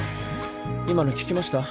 今の聞きました？